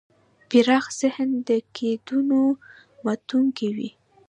پراخ ذهن د قیدونو ماتونکی وي.